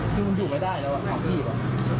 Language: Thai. คุณอยู่ไม่ได้แล้วอ่ะของขีดวะ